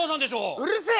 うるせえ！